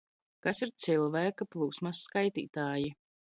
Kas ir cilvēku plūsmas skaitītāji?